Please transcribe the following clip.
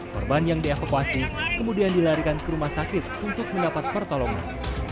korban yang dievakuasi kemudian dilarikan ke rumah sakit untuk mendapat pertolongan